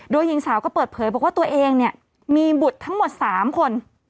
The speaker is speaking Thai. โดยหญิงสาวก็เปิดเผยบอกว่าตัวเองเนี่ยมีบุตรทั้งหมด๓คน